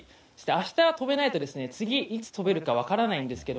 明日飛べないと次いつ飛べるか分からないんですが